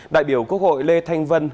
đại biểu quốc hội lê thanh vân